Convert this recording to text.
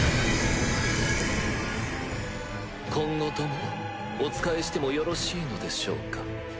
今後ともお仕えしてもよろしいのでしょうか？